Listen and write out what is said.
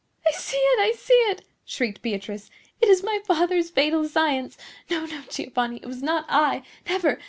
"I see it! I see it!" shrieked Beatrice. "It is my father's fatal science! No, no, Giovanni; it was not I! Never!